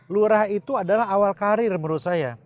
lurah itu adalah awal karir menurut saya